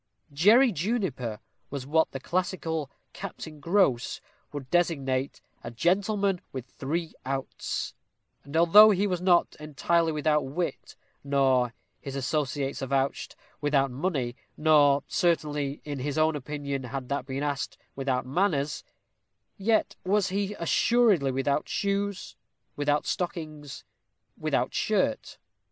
Jerry Juniper was what the classical Captain Grose would designate a "gentleman with three outs," and, although he was not entirely without wit, nor, his associates avouched, without money, nor, certainly, in his own opinion, had that been asked, without manners; yet was he assuredly without shoes, without stockings, without shirt.